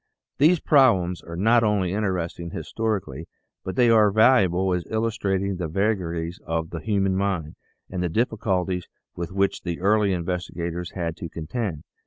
These problems are not only interesting historically but they are valuable as illustrating the vagaries of the human mind and the difficulties with which the early in vestigators had to contend.